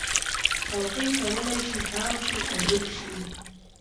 چوکۍ کولی شي تاو شي او جګ شي.